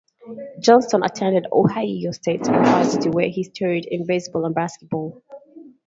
Johnston attended Ohio State University, where he starred in baseball and basketball.